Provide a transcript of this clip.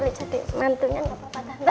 tante mantunya gak apa apa tante